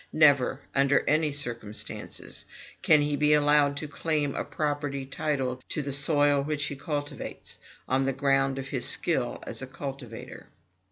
Never, under any circumstances, can he be allowed to claim a property title to the soil which he cultivates, on the ground of his skill as a cultivator.